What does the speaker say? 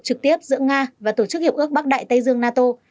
trực tiếp giữa nga và tổ chức hiệp ước bắc đại tây dương nato